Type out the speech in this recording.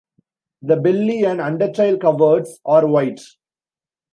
The belly and undertail coverts are white.